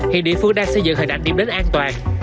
hiện địa phương đang xây dựng hình ảnh điểm đến an toàn